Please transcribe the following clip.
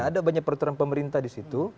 ada banyak peraturan pemerintah di situ